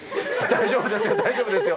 大丈夫ですよ、大丈夫ですよ。